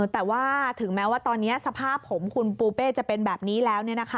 แต่ว่าถึงแม้ว่าตอนนี้สภาพผมคุณปูเป้จะเป็นแบบนี้แล้ว